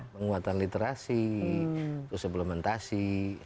menguatkan literasi keseplementasi